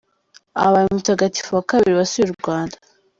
Abaye umutagatifu wa kabiri wasuye u Rwanda.